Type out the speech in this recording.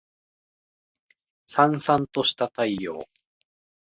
燦燦とした太陽